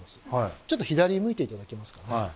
ちょっと左向いて頂けますかね。